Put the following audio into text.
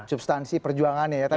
substansi perjuangannya ya